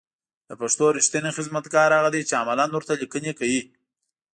د پښتو رېښتينی خدمتگار هغه دی چې عملاً ورته ليکنې کوي